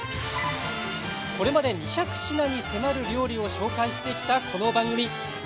これまで２００品に迫る料理を紹介してきた、この番組。